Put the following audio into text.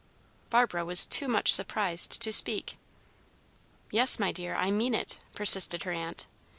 Barbara was too much surprised to speak. "Yes, my dear, I mean it," persisted her aunt.